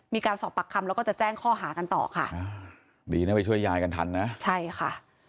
มีการสอบปากคำแล้วก็จะแจ้งข้อหากันต่อค่ะอ่าดีนะไปช่วยยายกันทันนะใช่ค่ะ